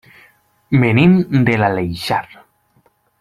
Venim de l'Aleixar.